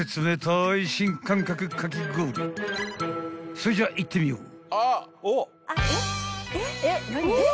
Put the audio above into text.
［そいじゃいってみよう］